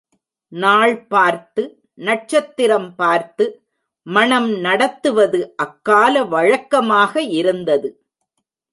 நாள் பார்த்து நட்சத்திரம் பார்த்து மணம் நடத்துவது அக்கால வழக்கமாக இருந்தது.